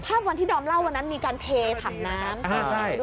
ภาพวันที่ดอมเล่าวันนั้นมีการเทถังน้ำ